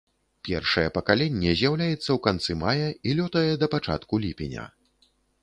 Першае пакаленне з'яўляецца ў канцы мая і лётае да пачатку ліпеня.